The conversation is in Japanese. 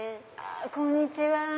こんにちは！